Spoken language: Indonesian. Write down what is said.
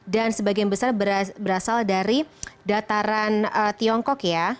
dan sebagian besar berasal dari dataran tiongkok ya